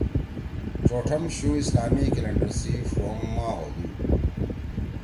چوٹھم شُو اسلامی کیلنڈر سی ݜوم ماہ ہودُو۔